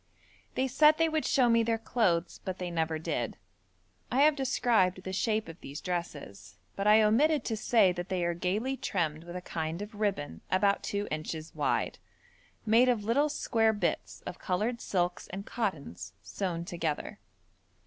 They said they would show me their clothes, but they never did. I have described the shape of these dresses, but I omitted to say that they are gaily trimmed with a kind of ribbon about two inches wide, made of little square bits of coloured silks and cottons sewn together.